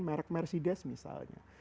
merk mercedes misalnya